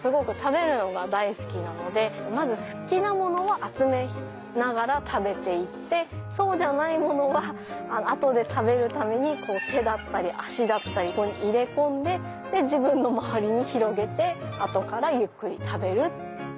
まず好きなものは集めながら食べていってそうじゃないものは後で食べるために手だったり足だったり入れ込んで自分の周りに広げて後からゆっくり食べる。